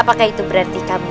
apakah itu berarti kamu